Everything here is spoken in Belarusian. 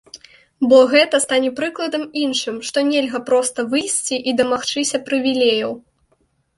Бо гэта стане прыкладам іншым, што нельга проста выйсці і дамагчыся прывілеяў.